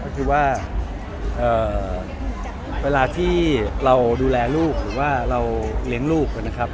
ก็คือว่าเวลาที่เราดูแลลูกหรือว่าเราเลี้ยงลูกนะครับ